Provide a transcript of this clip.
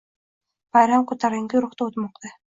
Bayram ko‘tarinki ruhda o‘tmoqda